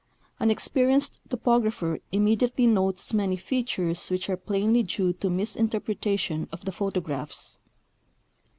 An experienced topographer immediately notes many features which are plainly clue to misinterj)retation of the photographs.